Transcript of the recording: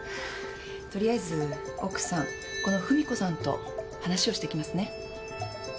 とりあえず奥さんこの芙美子さんと話をしてきますね。